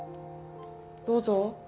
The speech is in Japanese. どうぞ。